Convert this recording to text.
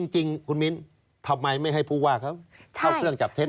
จริงคุณมิ้นทำไมไม่ให้ผู้ว่าเขาเข้าเครื่องจับเท็จ